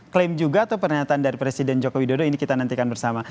klaim juga atau pernyataan dari presiden joko widodo ini kita nantikan bersama